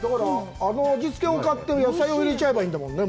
あの味付けを買って、野菜を入れちゃえばいいんだもんね？